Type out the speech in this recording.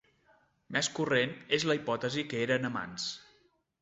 Més corrent és la hipòtesi que eren amants.